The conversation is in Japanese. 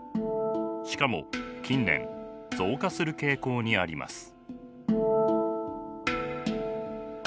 しかも近年増加する傾向にあります。